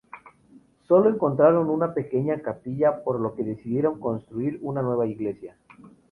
Sólo encontraron una pequeña capilla por lo que decidieron construir una nueva iglesia.